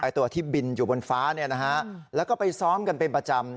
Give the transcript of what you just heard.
ตัวที่บินอยู่บนฟ้าแล้วก็ไปซ้อมกันเป็นประจำ